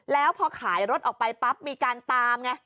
แล้วพอขายรถออกไปปั๊บมีการตามไง